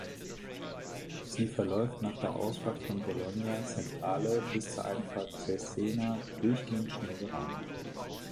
Sie verläuft nach der Ausfahrt von Bologna Centrale bis zur Einfahrt Cesena durchgehend schnurgerade.